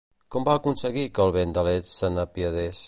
Com va aconseguir que el vent de l'est se n'apiadés?